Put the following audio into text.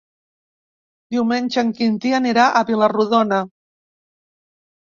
Diumenge en Quintí anirà a Vila-rodona.